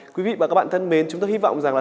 quý vị và các bạn thân mến chúng tôi hy vọng rằng là